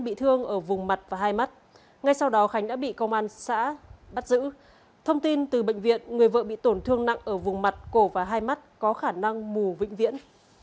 bắt giữ thông tin từ bệnh viện người vợ bị tổn thương nặng ở vùng mặt cổ và hai mắt có khả năng mù vĩnh viễn